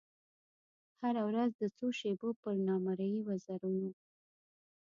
هره ورځ د څو شېبو پر نامریي وزرونو